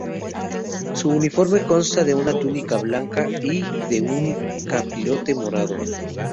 Su uniforme consta de una túnica blanca y de un capirote morado.